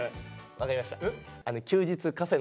分かりました。